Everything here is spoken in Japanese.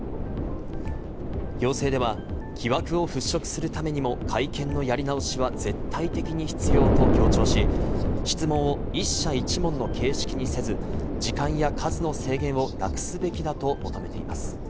要請では疑惑を払拭するためにも、会見のやり直しは絶対的に必要と強調し、質問を１社１問の形式にせず、時間や数の制限をなくすべきだと求めています。